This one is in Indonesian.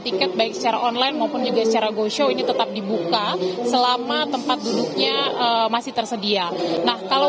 tiket baik secara online maupun juga secara go show ini tetap dibuka selama tempat duduknya masih tersedia nah kalau